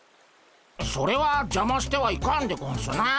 それはじゃましてはいかんでゴンスな。